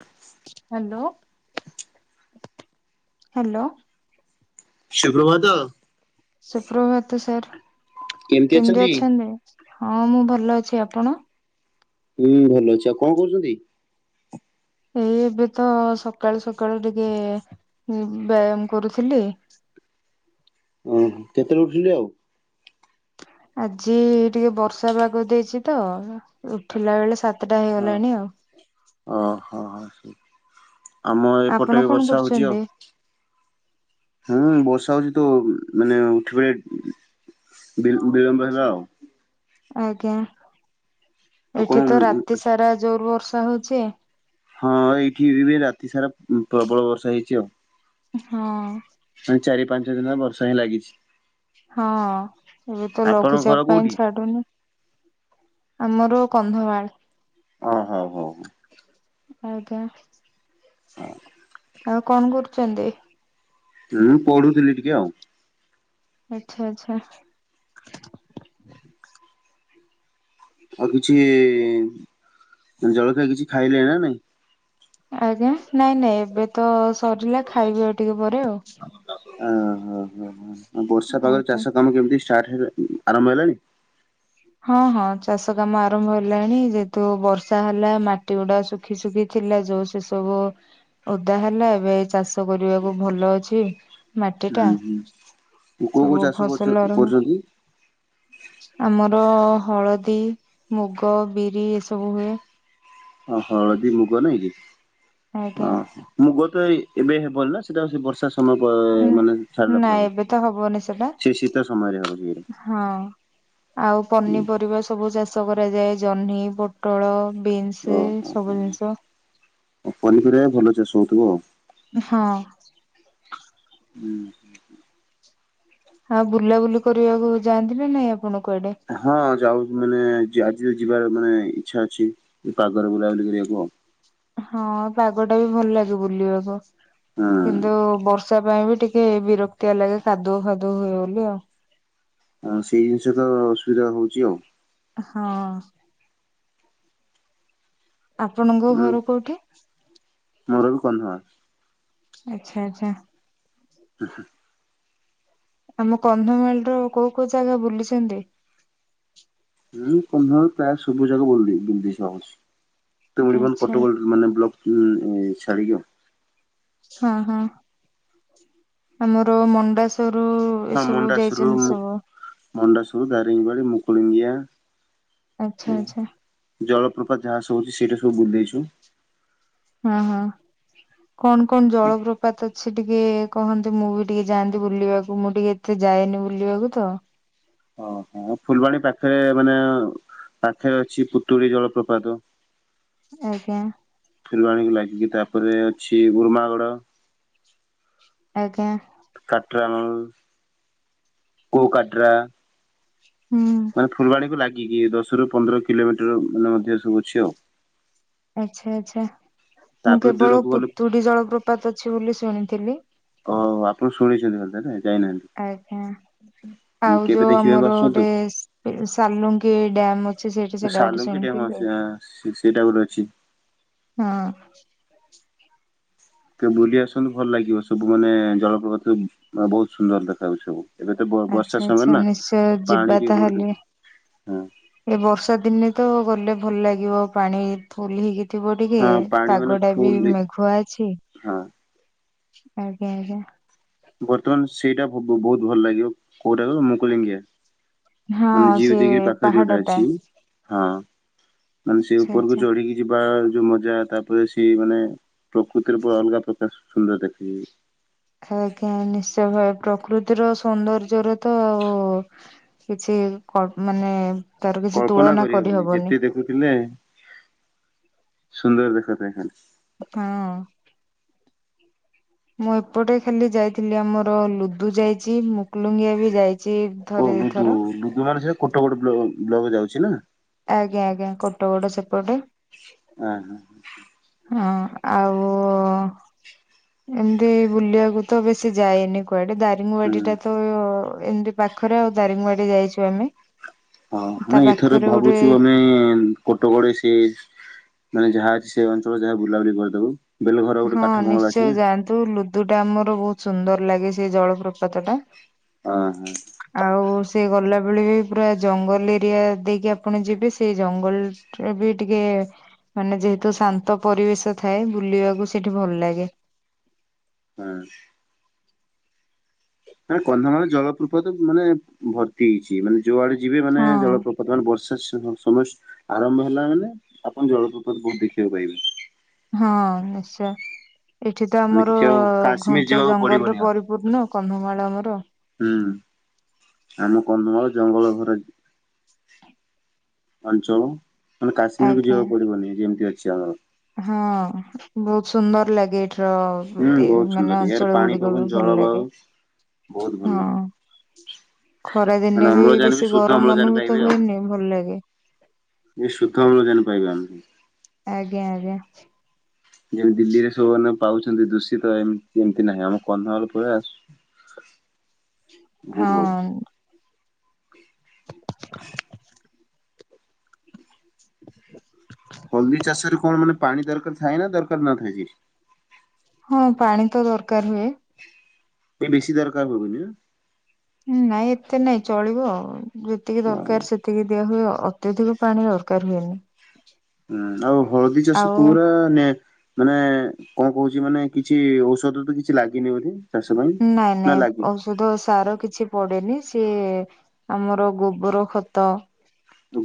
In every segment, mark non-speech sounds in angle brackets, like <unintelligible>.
ହ hello hello ଶୁକ୍ରଭାତ ସୁପ୍ରଭାତ ସାର୍। କେମିତି ଅଛନ୍ତି ହଁ ମୁଁ ଭଲ ଅଛି। ଆପଣ? ହୁଁ ଭଲ ଅଛି, ଆଉ କଣ କରୁଛନ୍ତି? ଏଇ ଏବେ ତ ସକାଳୁ ସକାଳୁ ଟିକେ ବ୍ୟାୟାମ କରୁଥିଲି। ଓହ କେତେବେଳେ ଉଥିଲେ ଆଉ। ଆଜି ଟିକେ ବର୍ଷା ପାଗ ଦେଇଛି ତ ଉଠିଲା ବେଳେ ସାତଟା ହଁ ହେଇଗଲାଣି ଆଉ। ଓହୋ ହୋ ଆମ ଏପଟେ ଆପଣ ବି କଣ ବର୍ଷା ହଉଛି କରୁଛନ୍ତି? ଆଉ। ହୁଁ ବର୍ଷା ହଉଛି ତ ମାନେ ଉଠୀବେ। ବି ବିଳମ୍ବ ହେଲା ଆଉ। ଆଜ୍ଞା ଆଉ କଣ ଏଠି ତ ରାତି ସାରା ଜୋଉ ବର୍ଷା ହଉଛି ହଁ ଏଇଠି ଏ ରାତି ସାରା ପ୍ରବଳ ବର୍ଷା ହେଇଛି ଆଉ। ହଁ ମାନ ଚାରି ପାଞ୍ଚ ଦିନ ବର୍ଷା ହିଁ ଲାଗିଛି। ହଁ ଏବେ ତ ଆପଣଙ୍କ ଘର ଲଘୁଚାପ ପାଇଁ କୋଉଠି? ଛାଡୁନି। ଆମର କନ୍ଧମାଳ। ଓ ହଉ ହଉ ଆଂଜ୍ଞା। ହ ଆଉ କଣ କରୁଛନ୍ତି? ହୁଁ ପଢୁଥିଲି ଟିକେ ଆଉ। ଆଚ୍ଛା ଆଚ୍ଛା ଆଉ କିଛି, ଜଳଖିଆ କିଛି ଖାଇଲେ ନା ନାଇଁ? ଆଜ୍ଞା, ନାଇଁ ନାଇଁ, ଏବେ ତ ସରିଲା, ଖାଇବି ଆଉ ଟିକେ ପରେ ଆଉ। ଓହୋ ହ ହ ବର୍ଷା ପାଗରେ ଆଜ୍ଞା। ଚାଷ କାମ କେମିତି ଷ୍ଟାର୍ଟ, ଆରମ୍ଭ ହେଲାଣିି? ହଁ ହଁ ଚାଷ କାମ ଆରମ୍ଭ ହେଲାଣି, ଯେହେତୁ ବର୍ଷା ହେଲା ମାଟି ଗୁଡା ଶୁ ଶୁଖି ଶୁଖି ଥିଲା ଯୋଉ, ସେ ସବୁ ଓଦା ହେଲା, ଏବେ ଚାଷ ଚାଷ କରିବାକୁ ଭଲ ଅଛି, ମାଟି ଟା। ହୁଁ ହୁଁ କୋଉ କୋଉ ସବୁ ଚାଷ କରୁଛ ଫସଲ ଆରମ୍ଭ କରୁଛନ୍ତି? ଆମର ହଳଦୀ, ମୁଗ, ବିରି, ଏସବୁ ହୁଏ। ଓ ହଳଦୀ ମୁଗ ନାଇଁ କି? ଆଜ୍ଞା ଓହୋ ମୁଗ ତ ଏଇ ଏବେ ହେବନି ନା, ସେଟା <unintelligible> ବର୍ଷା ସମୟ, ଉଁ ମାନେ ଛାଡିଲା ପରେ ନାଇଁ ହବ, ଏବେ ତ ହବନି ସେଟା ସେ ଶୀତ ସମୟରେ ହବ ଜୋରେ। ହଁ। ଆଉ ପନିପରିବା ସ ସବୁ ଚାଷ କରାଯାଏ, ଜହ୍ନି, ପୋଟଳ, ବିନ୍ସ ଓହୋ ସବୁ ଜିନିଷ। ପନିପରିବା ବି ଭଲ ଚାଷ ହଉଥିବ ଆଉ। ହଁ। ହୁଁ। ହଁ ବୁଲାବୁଲି କରିବାକୁ ଯାଆନ୍ତି ନା ନାଇଁ ଆପଣ କୁଆଡେ? ହଁ, ଯାଉ ମାନେ, ଆଜି ଯିବାର ମାନେ ଇଛା ଅଛି, ପାଗରେ ବୁଲାବୁଲି କରିବାକୁ ଆଉ। ହଁ ପାଗ ଟା ବି ଭଲ ଲାଗେ ବୁଲିବାକୁ କିନ୍ତୁ ବର୍ଷ ବର୍ଷା ପାଇଁ ବି ଟିକେ ବିରକ୍ତିଆ ଲାଗେ, କାଦୁଅ ଫାଦୁଅ ହୁଏ ବୋଲି ଆଉ। ଆଉ ସେଇ ଜିନିଷ ତ ଅସୁବିଧା ହଉଚି ଆଉ। ହଁ। ଆପଣଙ୍କ ମାନେ ଘର କୋଉଠି? ମୋର ବି <unintelligible> ଆଛା ଆଛା। ହୁଁ ହୁଁ। ଆମ କନ୍ଧମାଳ ର କୋଉ କୋଉ ଜାଗା ବୁଲିଚନ୍ତି? ମୁଁ କନ୍ଧମାଳ ପ୍ରାୟ ସବୁ ଜାଗା ବୁ ବୁଲି ଦେଇ ଦେଇଛି ଅବଶ୍ୟ, <unintelligible> ଆଚ୍ଛା କଟକ ମାନେ ବ୍ଲକ ହୁଁ, ଛାଡିକି ଆଉ। ହଁ ହଁ, ଆମର ମଣ୍ଡାସରୁ ଏ ସବୁ ଯାଇଚନ୍ତି ସବୁ। ମଣ୍ଡାସୁରୁ ଦାରିଙ୍ଗି ବାଡ଼ି, ମୁକୁଳିଙ୍ଗିଆ ତେ ଆଛା ଆଛା। ଜଳପ୍ରପାତ ଯାହା ସବୁ ଅଛି, ସେଇଟା ସବୁ ବୁଲିଦେଇଛୁ। ହଁ ହଁ, କଣ କଣ ଜଳପ୍ରପାତ ଅଛି? ଟିକେ କହନ୍ତି, ମୁଁ ବି ଟିକେ ଯାଆନ୍ତି ବୁଲିବାକୁ, ମୁଁ ଟିକେ ଏତେ ଯାଏନି ବୁଲିବାକୁ ତ। ଓହୋ, ହଁ, ଫୁଲବାଣୀ ପାଖରେ ମାନେ ପାଖରେ ଅଛି ପୁଟୁଳି ଜଳପ୍ରପାତ। ଆଜ୍ଞା। ଫୁଲୁବାଣୀକୁ ଲାଗିକି, ତାପରେ ଅଛି ଉର୍ମାଗଡ଼ ଆଜ୍ଞା। କାଟ୍ର, <unintelligible> କୋଉ କାଟ୍ରା ହୁଁ। ଫୁଲବାଣୀକୁୁ ଲାଗିକି, ଦଶରୁ ପନ୍ଦର କିଲୋମିଟର ମାନେ ମଧ୍ୟ ସବୁ ଅଛି ଆଉ। ଆଛା, ଆଛା, ମୁଁ ତାପରେ କେବଳ ଦୂରକୁ ଗଲେ ପୁତୁଡି ଜଳପ୍ରପାତ ଅଛି ବୋଲି ଶୁଣିଥିଲି। ଓ ଆପଣ ଶୁଣିଚନ୍ତି ତାହେଲେ ଯାଇନାହାନ୍ତି। ଆଜ୍ଞା, ଆଉ କେବେ ଯୋଉ ଦେଖିବାକୁ ଆମର ଆସନ୍ତୁ ଗୋଟେ ସାଲୁଙ୍କି ଡ୍ୟାମ ଅଛି। ସେଇଠି ସେଇଟା ଗୋଟେ ସାଲୁଙ୍କି ଶୁଣିଥିଲି। ଡ୍ୟାମ୍ ସେଇଟା ଗୋଟେ ଅଛି। ହଁ। ଟିକେ ବୁଲି ଆସନ୍ତୁ ଭଲ ଲାଗିବ ସବୁ ମାନେ ଜଳପ୍ରପାତ ବହୁତ ସୁନ୍ଦର ଦେଖାଯାଉଚି ସବୁ। ଏବେ ତ ଆଚ୍ଛା ବର୍ଷା ସମୟରେ ଆଚ୍ଛା ନା ନିଶ୍ଚୟ ଯିବା ପାଣି ଟିକେ ତାହେଲେ ବଢୁଥିବ ହଁ। ଏ ବର୍ଷା ଦିନେ ତ ଗଲେ ଭଲ ଲାଗିବ ପାଣି ଫୁଲ୍ ହେଇକି। ଥିବ ଟିକେ, ହଁ ପାଣି ମାନେ ପାଗ ଟା ବି ଫୁଲ ମେଘୁଆ ଅଛି। ହଁ ଆଜ୍ଞା ଆଜ୍ଞା। ବର୍ତ୍ତମାନ ସେଇଟା ବହୁତ ଭଲ ଲାଗିବ, କୋଉଟା କ ମୁଁ କଲିଙ୍ଗିଆ। ମାନେ ହଁ ଯିଏ ବି ସେ ଦେଇକିରି ପାଖରେ ଯୋଉଟା ପାହାଡ଼ଟା ଅଛି ହଁ ମାନେ ସେ ଆଚ୍ଛା ଉପରକୁ ଆଚ୍ଛା। ଚଢିକି। ଯିବା ଯୋଉ ମଜା ତାପରେ ସି ମାନେ ପ୍ରକୃତିର ପୁରା ଅଲଗା ପ୍ରକାର ସୁନ୍ଦର ଦେଖାଯିବ। ଆଜ୍ଞା, ନିଶ୍ଚୟ ଭ ପ୍ରକୃତିର ସୌନ୍ଦର୍ଯ୍ୟରେ ତ ଆଉ। କିଛି ମାନେ। ତାର କିଛି କଳ୍ପନା ତୁଳନା କରିହବନି ଯେତେ ଦେଖୁଥିଲେ ସୁନ୍ଦର ଦେଖାଯାଏ ଖାଲି। ହଁ। ମୁଁ ଏପଟେ ଖାଲି ଯାଇଥିଲି ଆମର ଲୁଦୁ ଯାଇଚି, ମୁଗୁଲୁଙ୍ଗିଆ ବି ଯାଇଚି। ଓ ଲୁଦୁ, ଲୁଦୁ ମାନେ ସେ କୋଟଗଡ ବ୍ଲକ ରେ ଯାଉଚି ନା। ଆଜ୍ଞା ଆଜ୍ଞା, କୋଟଗଡ ସେପଟେ। ହଁ ହଁ। ହଁ ଆଉ। ଏମିତି ବୁଲିବାକୁ ତ ବେଶୀ ଯାଏନି କୁଆଡେ ଦା। ଦାରିଙ୍ଗବାଡି ହୁଁ। ଟା ତ ଏମତି ପାଖରେ ଆଉ ଦାରିଙ୍ଗବାଡି ଯାଇଚୁ ଆମେ। ହଁ, ତା ନାଇ ଏଥର ପାଖରେ ଗୋଟେ ଭାବୁଚୁ ଆମେ। କୋଟଗଡ ସେ ମାନେ ଯାହା ଅଛି ସେ ଅଞ୍ଚଳରେ ଯାହା ବୁଲାବୁଲି କରିଦବୁ। ବେଲଘର ଗୋଟେ ହଁ, କାଠ ବଙ୍ଗଳା ଅଛି ନିଶ୍ଚୟ ନା ଯାଆନ୍ତୁ ଲୁଦୁ ଟା ଆମର ବହୁତ ସୁନ୍ଦର ଲାଗେ ସେ ଜଳପ୍ରପାତ ଟା। ହଁ ହଁ। ଆଉ ସେ ଗଲାବେଳେ ବି ପୁରା ଜଙ୍ଗଲ ଏରିଆ ଦେଇକି ଆପଣ ଯିବେ ସେଇ ଜଙ୍ଗଲ। ଏବେ ଟିକେ ମାନେ ଯେହେତୁ ଶାନ୍ତ ପରିବେଶ ଥାଏ ବୁଲିବାକୁ ସେଠି ଭଲ ଲାଗେ। ହୁଁ। ନା କନ୍ଧମାଳରେ ଜଳପ୍ରପତ ମାନେ ଭର୍ତ୍ତି ହେଇଚି, ମାନେ ଯୁଆଡ଼େ ଯିବେ ମାନେ ହଁ ଜଳପ୍ରପ। ବର୍ତ୍ତମାନ ବର୍ଷା ସମୟ ଆରମ୍ଭ ହେଲା ମାନେ ଆପଣ ଜଳପ୍ରପାତ ବହୁତ ଦେଖିବାକୁ ପାଇବେ। ହଁ ନିଶ୍ଚୟ। ଏଠି ତ ମାନେ ଆମର କିଛି ଆଉ କାଶ୍ମୀର ଘଞ୍ଚ ଯିବାକୁ ପଡିବନି ଜଙ୍ଗଲରେ ଆଉ ପରିପୂର୍ଣ୍ଣ କନ୍ଧମାଳ ଆମର। ହୁଁ, ଆମ କନ୍ଧମାଳ ଜଙ୍ଗଲ ଘରେ। ଅଞ୍ଚଳ, ମାନେ କାଶ୍ମୀର କୁ ଆଜ୍ଞା ଯିବାକୁ ପଡିବନି ଯେମିତି ଅଛି ଆମର। ହଁ, ବହୁତ ସୁନ୍ଦର ଲାଗେ ଏଠି। ତଳ- ହୁଁ ଏ ବହୁତ -ମାନେ ସୁନ୍ଦର ୟାର ଅଞ୍ଚଳ ପାଣି ଗୁଡିକ ପବନ ବି ଭଲ ଜଳବାୟୁ ଲାଗେ ବହୁତ ଭଲ। ହଁ। ଖରା ମାନେ ଦିନେ ବି ଅମ୍ଳଜାନ ବେଶୀ ଶୁଦ୍ଧ ଗରମ ଅମ୍ଳଜାନ ଅନୁଭୂତ ପାଇବେ ଆଉ ହୁଏନି ଭଲ ଲାଗେ। ଏ ଶୁଦ୍ଧ ଅମ୍ଳଜାନ ପାଇବା ଆମେ। ଆଜ୍ଞା ଆଜ୍ଞା। ଯେମିତି ଦିଲ୍ଲୀରେ ସବୁମାନେ ପାଉଚନ୍ତି ଦୂଷିତ ଏ ଏମିତି ନାହିଁ ଆମ କନ୍ଧମାଳ ପ୍ରୟାସ। ହ। ହଁ। ହଳଦୀ ଚାଷରେ କଣ ମାନେ ପାଣି ଦରକାର ଥାଏ ନା ଦରକାର ନ ଥାଏ ଯେ? ହଁ ପାଣି ତ ଦରକାର ହୁଏ। ଏ ବେଶୀ ଦରକାର ପଡିବ ନା? ନାଇଁ ଏତେ ନାଇଁ ଚଳିବ ଆଉ ଯେତିକି ନା ହୁଁ ଦରକାର ସେ ଏତିକି ଦିଆ ହୁଏ ଅତ୍ୟଧିକ ପାଣି ଦରକାର ହୁଏନି। ହୁଁ ଆଉ ହଳଦୀ ଚାଷ ଆଉ ପୁରା ନେ ମାନେ କଣ କହୁଛି ମାନେ କିଛି ଔଷଧ ତ କିଛି ଲାଗେନି ବୋଧେ ଚାଷ ପାଇଁ ନା ଲାଗେ? ସୁଧ ସାର କିଛି ପଡେନି ସିଏ ଆମର ଗୋବର ଖତ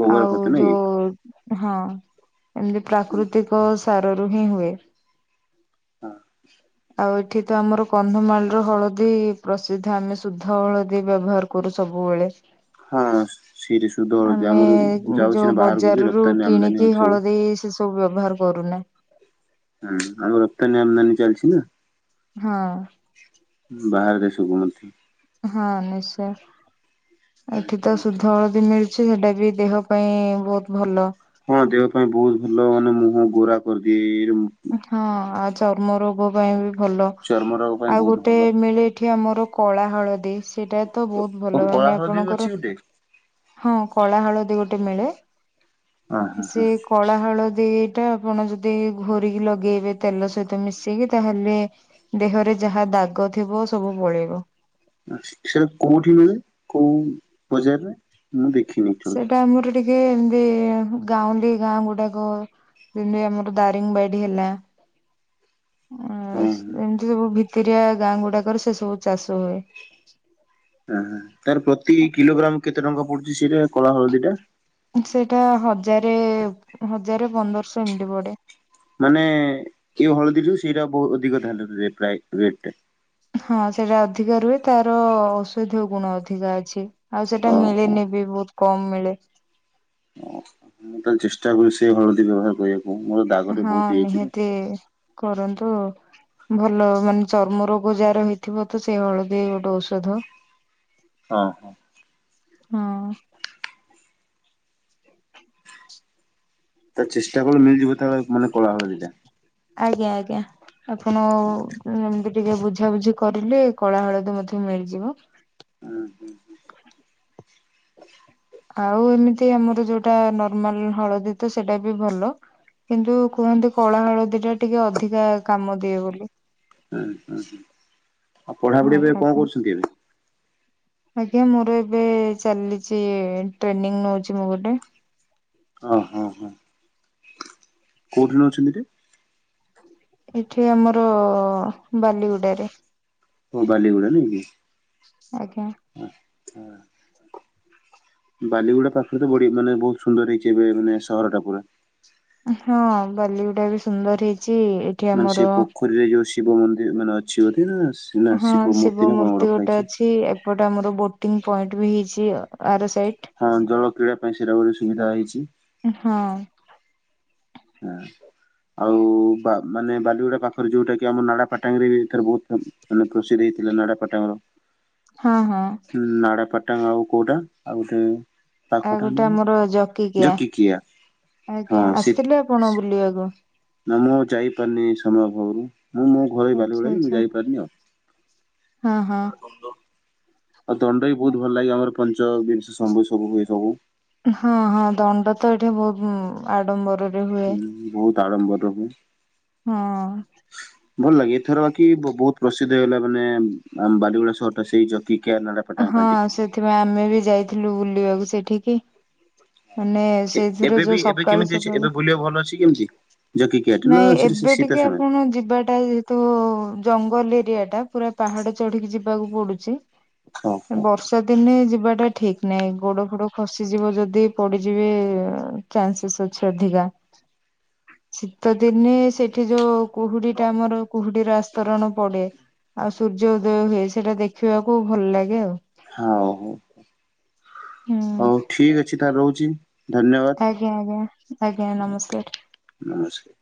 ଗୋବର ଖତ ଆଉ ନାଇଁ? ଯୋଉ ହଁ ଏମିତି ପ୍ରାକୃତିକ ସାରରୁ ହିଁ ମିଳେ ହଁ-। ଆଉ ଏଠି ତ ଆମର କନ୍ଧମାଳର ହଳଦୀ ପ୍ରସିଦ୍ଧ ଆମେ ଶୁଦ୍ଧ ହଳଦୀ ବ୍ୟବହାର ଖୁଡି ସବୁବେଳେ ହଁ ସିରି ସୁଧ ହଉଛି ଆମେ ଆମର ଯାଉଛି ଯୋଉ ନା ବାହାରକୁ ବି ବଜାର ରୁ ରପ୍ତାନୀ ଆମଦାନୀ କିଣିକି ହଉଛି ସବୁ। ହଳଦୀ ସେ ସେ ବ୍ୟବହାର କରୁନେ। ହୁଁ ଆଉ ରପ୍ତାନୀ ଆମଦାନି ଚାଲିଚି ନା ହଁ। ବାହାର ଦେଶରେ ମିଳୁଚି। ହଁ ନିଶ୍ଚୟ ଏଠି ତ ସୁଦ୍ଧା ହଳଦୀ ମିଳୁ ସେଟା ବି ଦେହ ପାଇଁ ବହୁତ ଭଲ। ହଁ, ଦେହ ପାଇଁ ବହୁତ ଭଲ ମାନେ ମୁହଁ ଗୋରା କରିଦିଏ ଏମିତି ହଁ, ଆଉ ଚର୍ମ ରୋଗ ପାଇଁ ବି ଭଲ ଚର୍ମ ରୋଗ ପାଇଁ ଆଉ ବହୁତ ଗୋଟେ ଭଲ। ମିଳେ ଏଠି ଆମର କଳା ହଳଦୀ ସେଟା ତ ବହୁତ ଓ ଭଲ କଳା ମାନେ ହଳଦୀ ବି ଅଛି ଆପଣଙ୍କର ଗୋଟେ ହଁ, କଳା ହଳଦୀ ଗୋଟେ ମିଳେ ହଁ ହଁ ସେ ହଁ କଳା ହଳଦୀ ସେଟା ଆପଣ ଯଦି ଘୋରିକି ଲଗେଇବେ ତେଲ ସହିତ ମିଶେଇକି ତାହେଲେ ଦେହରେ ଯାହା ଦାଗ ଥିବ ସବୁ ପଳେଇବ। ସେଟା କୋଉଠି ମିଳେ କୋଉ ବଜାରରେ ମୁଁ ଦେଖିନି ଆକ୍ଚୁଆଲି ସେଟା ଆମର ଟିକେ ଏମତି ଗାଉଁଲି ଗାଁ ଗୁଡାକ ଯେମିତି ଆମର ଦାରିଙ୍ଗିବାଡି ହେଲା ଆ ହଁ ହଁ। ଏମିତି ସବୁ ଭିତତିରିଆ ଗାଁ ଗୁଡାକରେ ସେ ସବୁ ଚାଷ ହୁଏ। ଅହ ତାର ପ୍ରତି କିଲୋଗ୍ରାମ୍ କେତେ ଟଙ୍କା ପଡୁଚି ସେଇଟା କଳା ହଳଦୀ ଟା? ସେଇଟା ହଜାରେ ହଜାରେ ପନ୍ଦରଶହ ଏମିତି ପଡେ। ମାନେ ଏ ହଳଦୀରୁୁ ସେଇଟା ବହୁତ ଅଧିକ ଥାଏ ତା ରେଟ ଟା। ହଁ ସେଇଟା ଅଧିକା ରୁହେ ତାର ଔଷଧୀୟ ଗୁଣ ଅଧିକା ଅଛି। ଆଉ ସେଟା ଓହୋ। ମିଳେନି ବି ବହୁତ କମ୍ ମିଳେ। ଓ ମୁଁ ତାହେଲେ ଚେଷ୍ଟା କରୁଛି ସେଇ ହଳଦୀ ବ୍ୟବହାର କରିବାକୁ ମୋର ଦାଗରେ ହଁ ବହୁତ ହେଇଯାଇଛି ତ। ନିହାତି କରନ୍ତୁ ଭଲ ମାନେ ଚର୍ମ ରୋଗ ଯାହାର ହେଇଥିବ ତ ସେଇ ହଳଦୀ ଗୋଟେ ଔଷଧ ହଁ -ହଁ। ହଁ। ତ ଚେଷ୍ଟା କଲେ ମିଳିଯିବ ତା ମାନେ କଳା ହଳଦୀ ଟା। ଆଜ୍ଞା -ଆଜ୍ଞା ଆପଣ ଏମିତି ଟିକେ ବୁଝାବୁଝି କରିଲେ କଳା ହଳଦୀ ମଧ୍ୟ ମିଳିଯିବ। ହୁଁ -ହୁଁ -ହୁଁ। ଆଉ ଏମିତି ଆମର ଯୋଉଟା ନର୍ମାଲ ହଳଦୀ ତ ସେଇଟା ବି ଭଲ। କିନ୍ତୁ କୁହନ୍ତି କଳା ହଳଦୀ ଟା ଟିକେ ଅଧିକା କାମ ଦିଏ ବୋଲି। ହୁଁ- ହୁଁ -ହଁ -ଆଉ ହଁ ପଢାପଢି ଏବେ କଣ ଆଜ୍ଞା। କରୁଛନ୍ତି ଏବେ? ଆଜ୍ଞା, ମୋର ଏବେ ଚାଲିଛି ଟ୍ରେନିଂ ନଉଛି ମୁଁ ଗୋଟେ, ହଁ- ହଁ- ହଁ -କୋଉଠି ରହୁଛନ୍ତି ରେ ଏଠି ଆମର ବାଲିଗୁଡାରେ। ଓ ବାଲିଗୁଡାରେ ଆଜ୍ଞା ନାଇଁ କି। ବାଲିଗୁଡା ପାଖରେ ତ ବଢି ମାନେ ବହୁତ ସୁନ୍ଦର ହେଇଛି, ଏବେ ମାନେ ସହର ଟା ପୁରା। ହଁ ବାଲିଗୁଡା ଏବେ ସୁନ୍ଦର ହେଇଛି। ଏଠି ମାନେ ଆମର ସେ ପୋଖରୀରେ ଯୋଉ ଶିବ ମନ୍ଦିର ମାନେ ଅଛି ବଧେ ନା। ନା ହଁ ଶିବ ନା କଣ ମୂର୍ତ୍ତି ରଖା ଗୋଟେ ହେଇଛି। ଅଛି, ଏପଟେ ଆମର ବୋଟିଂ ପଏଣ୍ଟ ବି ହେଇଛି, ଅ ଆର ସାଇଟ୍। ହଁ ଜଳ କ୍ରୀଡ଼ା ପାଇଁ ସେଟା ଗୋଟେ ସୁବିଧା ହେଇଛି। ହଁ। ଆଁ। ଆଉ ବା ମାନେ ବାଲିଗୁଡା ପାଖରେ, ଯୋଉଟା କି ଆମ ନାଡା ପାଟାଙ୍ଗରେ ଏଥର ବହୁତ ମାନେ ପ୍ରସିଦ୍ଧି ହେଇଥିଲା ନାଡାପାଟାଙ୍ଗର। ହଁ ହଁ। ହୁଁ, ନାଡ଼ାପାଟାଙ୍ଗ ଆଉ କୋଉଟା, ଆଉ ଗୋଟେ, ଆଉ ଗୋଟେ ଆମର ଜକିକିଆ, ହଁ ଆଜ୍ଞା ସେ ଆସିଥିଲେ ଆପଣ ବୁଲିବାକୁ। ନା ମୁଁଉ ଯାଇପାରିନି ସମୟ ଅଭାବରୁ, ମୁଁ ମୋ ଘର ଏଇ ଆଚ୍ଛା ବାଲିଗୁଡ଼ା ଯେ ମୁଁ ଆଚ୍ଛା ଯାଇପାରିନି ଆଉ। ହଁ ହଁ। ଆଉ ଦଣ୍ଡ ବି ବହୁତ ଭଲ ଲାଗେ, ଆମର ପଞ୍ଚ ବିିଂଶ ଶମ୍ବୁ ସବୁ ହୁଏ ସବୁ। ହଁ ହଁ ଦଣ୍ଡ ତ ଏଠି ବହୁତ ଆଡମ୍ବର ହୁଁ ବହୁତ ଆଡ଼ମ୍ବରରେ ହୁଏ। ହଁ। ଭଲ ଲାଗେ, ଏଥର ବାକି ବହୁତ ପ୍ରସିଦ୍ଧ ହେଇଗଲା ମାନେ ବାଲିଗୁଡା ସହର ଟା ସେଇ ଜକିକିଆ ନାଡ଼ା ହଁ ସେଥିପାଇଁ ଆମେ ବି ଯାଇଥିଲୁ ବୁଲିବାକୁ ସେଠିକି। ମାନେ ଏ ସେଥିରୁ ଏବେ ବି ଯୋଉ ଏବେ ସକାଳୁ କେମିତି ଅଛି ସକାଳୁ ଏବେ ବୁଲିବାକୁ ଭଲ ଅଛି କେମିତି? ଜକି କିଆଟ ନା ନାଇଁ ସେଟା ସେ ଏବେ ଶୀତ ଟିକେ ସମୟ ଆପଣ ଯିବାଟାଇ ତୋ ଜଙ୍ଗଲ ଏରିଆ ଟା ପୁରା ପାହାଡ଼ ଚଢ଼ିକି ଯିବାକୁ ପଡୁଛି। ଏ ଓହୋ ବର୍ଷ ତ ଦିନେ ଯିବାଟା ଠିକ ନାହିଁ, ଗୋଡ ଫୋଡ ଖସିଯିବ ଯଦି ପଡିଯିବେ। ଚାନ୍ସେସ୍ ଅଛି ଅଧିକା, ଶୀତ ଦିନେ ସେଠି ଯୋଉ କୁହୁଡି ଟା ଆମର କୁହୁଡିର ଆସ୍ତରଣ ପଡେ, ଆଉ ସୂର୍ଯ୍ୟ ଉଦୟ ହୁଏ ସେଇଟା ଦେଖିବାକୁ ଭଲ ଲାଗେ ଆଉ। ହାଉ ହୁଁ। ହଉ ଠିକ ଅଛି ତାହେଲେ ରହୁଛି। ଧନ୍ୟବାଦ ଆଜ୍ଞା ଆଜ୍ଞା, ଆଜ୍ଞା ନମସ୍କାର। ନମସ୍କାର।